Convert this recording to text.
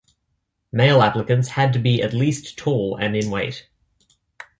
Male applicants had to be at least tall and in weight.